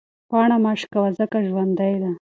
پاڼه مه شکوه ځکه ژوندۍ ده.